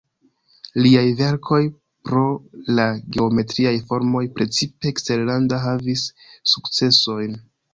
Liaj verkoj pro la geometriaj formoj precipe eksterlanda havis sukcesojn.